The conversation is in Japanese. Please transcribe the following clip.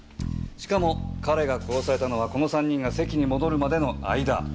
しかも彼が殺されたのはこの３人が席に戻るまでの間。